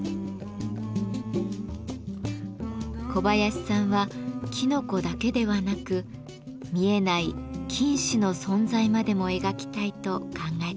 小林さんはきのこだけではなく見えない菌糸の存在までも描きたいと考えています。